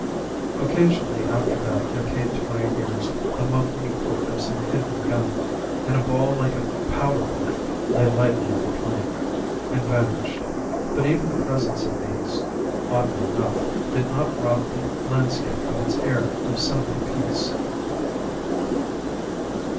Occasionally after that there came to my ears the muffed report of some hidden gun, and a ball like a powder puff lay lightly on the plain, and vanished. But even the presence of these, oddly enough, did not rob the landscape of its air of Sunday peace.